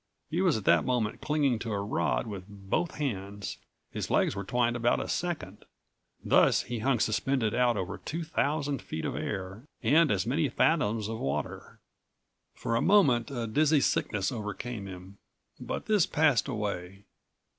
He was at that moment clinging to a rod with both hands. His legs were twined about a second. Thus he hung suspended out over two thousand feet of air and as many fathoms of water. For a moment a dizzy sickness overcame him, but this passed away.